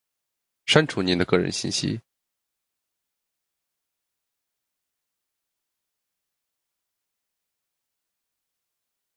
删除您的个人信息；